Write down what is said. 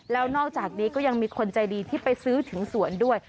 แล้วนอกจากนี้ก็ยังมีคนใจดีที่ไปซื้อถึงสวนด้วย